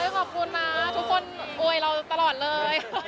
ขอบคุณนะทุกคนโวยเราตลอดเลย